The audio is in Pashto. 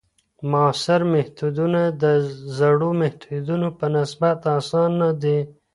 معاصر میتودونه د زړو میتودونو په نسبت اسان دي.